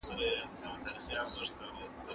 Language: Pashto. ناوړه سانسور د ازادي مطالعې مخه په کلکه نيوله.